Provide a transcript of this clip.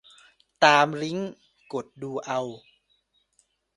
ตามลิงก์ กดดูเอา